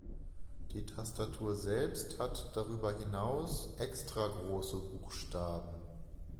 Die Tastatur selbst hat darüber hinaus extra große Buchstaben.